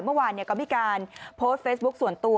เมื่อวานก็มีการโพสต์เฟซบุ๊คส่วนตัว